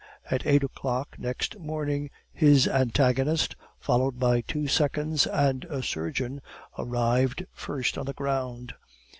At eight o'clock next morning his antagonist, followed by two seconds and a surgeon, arrived first on the ground.